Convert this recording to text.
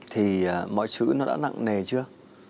thì mọi thứ nó đã nặng nề chưa